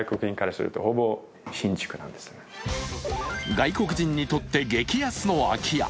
外国人にとって激安の空き家。